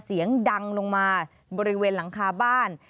เสียงดังลงมาบริเวณหลังคาบ้าน